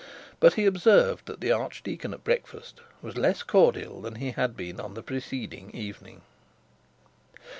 But he observed that the archdeacon at breakfast was less cordial than he had been on the preceding evening.